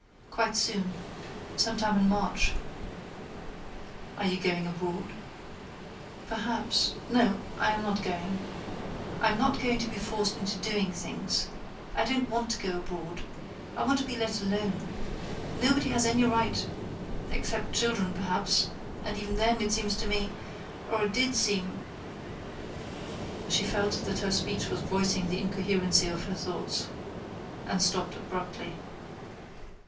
"Quite soon. Some time in March." "And you are going abroad?" "Perhaps—no, I am not going. I'm not going to be forced into doing things. I don't want to go abroad. I want to be let alone. Nobody has any right—except children, perhaps—and even then, it seems to me—or it did seem—" She felt that her speech was voicing the incoherency of her thoughts, and stopped abruptly.